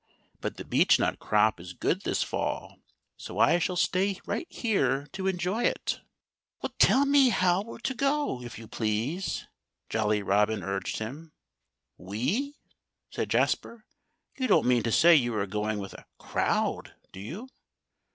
But the beechnut crop is good this fall. So I shall stay right here to enjoy it." "Tell me how we're to go, if you please!" Jolly Robin urged him. "We?" said Jasper. "You don't mean to say you are going with a crowd, do you?"